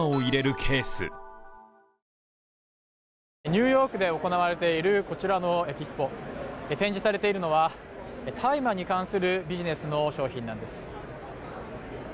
ニューヨークで行われているこちらのエキスポ、展示されているのは、大麻に関するビジネスの商品なんです。